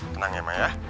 tenang ya ma ya